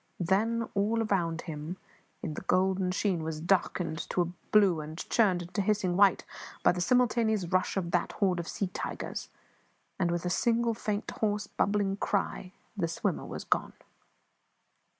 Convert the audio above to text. Then, all round about him the golden sheen was darkened into blue and churned to hissing white by the simultaneous rush of that horde of sea tigers, and, with a single faint, hoarse, bubbling cry, the swimmer was gone!